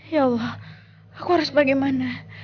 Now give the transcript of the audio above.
ya allah aku harus bagaimana